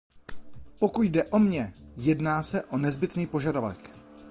Pokud jde o mě, jedná se o nezbytný požadavek.